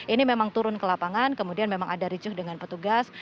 ini memang turun ke lapangan kemudian memang ada ricuh dengan petugas